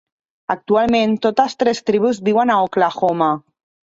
Actualment, totes tres tribus viuen a Oklahoma.